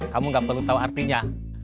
kamu gak perlu tahu artinya